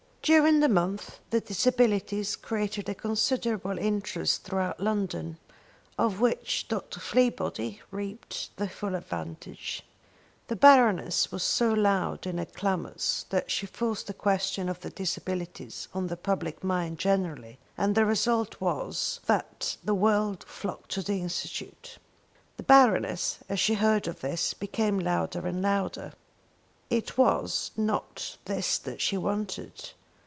During the month the Disabilities created a considerable interest throughout London, of which Dr. Fleabody reaped the full advantage. The Baroness was so loud in her clamours that she forced the question of the Disabilities on the public mind generally, and the result was that the world flocked to the Institute. The Baroness, as she heard of this, became louder and louder. It was not this that she wanted.